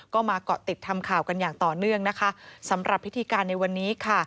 ก็มาเกาะติดทำข่าวกันอย่างต่อเนื่องนะคะสำหรับพิธีการในวันนี้ค่ะ